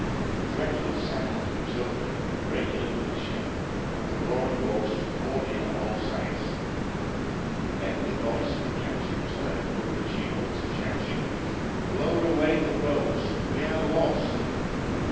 Dreadful sounds betokened the breaking up of the ship, and the roaring waters poured in on all sides. Then the voice of the captain was heard above the tumult, shouting, "Lower away the boats! We are lost!"...